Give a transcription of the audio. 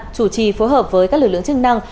chủ trì phối hợp với các lực lượng chức năng